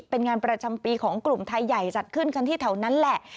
เป็นงานประจำปีของกลุ่มไทยใหญ่จัดขึ้นกันที่แถวนั้นแหละ